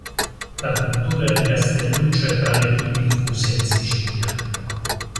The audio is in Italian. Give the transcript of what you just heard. La cultura di Castelluccio è tra le più diffuse in Sicilia.